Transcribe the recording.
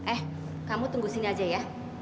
eh kamu tunggu sini aja ya